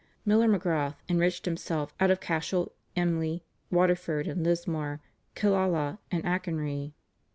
Miler Magrath enriched himself out of Cashel, Emly, Waterford and Lismore, Killala, and Achonry.